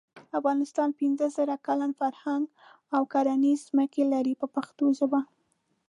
افغانستان پنځه زره کلن فرهنګ او کرنیزې ځمکې لري په پښتو ژبه.